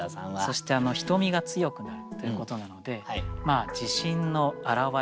そして「瞳が強くなる」ということなので自信の表れといいますかね。